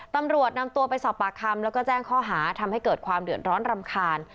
ตำรวจนำตัวไปสอบปากคำแล้วก็แจ้งข้อหาทำให้เกิดความเดือดร้อนรำคาญ